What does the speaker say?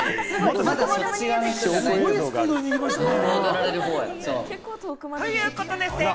すごいスピードで逃げられましたね。